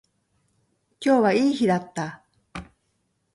今日はいい日だった